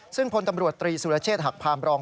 ซึ่งพลตำรวจตรีสุรเชษฐหักพามรอง